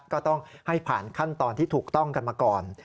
ก็ต้องให้ผ่านขั้นตอนที่ถูกต้องกันมาก่อน